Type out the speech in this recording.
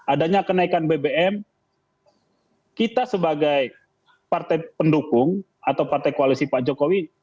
adanya kenaikan bbm kita sebagai partai pendukung atau partai koalisi pak jokowi